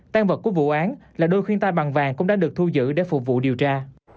tan vật của vụ án là đôi khiên tay bằng vàng cũng đã được thu giữ để phục vụ điều tra